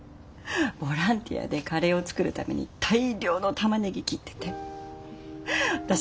ボランティアでカレーを作るために大量のタマネギ切ってて私涙止まらなくて。